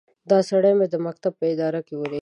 دا سړی مې د مکتب په اداره کې وليد.